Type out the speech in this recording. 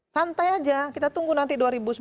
santai aja kita tunggu nanti dua ribu sembilan belas